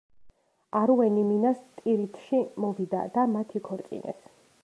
არუენი მინას ტირითში მოვიდა და მათ იქორწინეს.